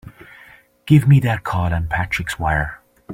Give me that call on Patrick's wire!